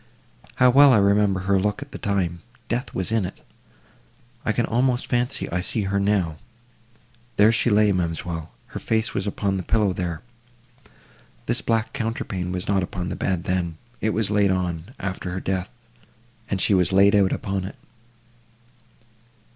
How well I remember her look at the time—death was in it!—I can almost fancy I see her now.—There she lay, ma'amselle—her face was upon the pillow there! This black counterpane was not upon the bed then; it was laid on, after her death, and she was laid out upon it."